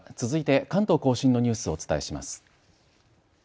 続いて関東甲信のニュースをお伝えします。